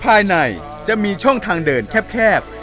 ภายในจะมีช่องทางเดินแคบ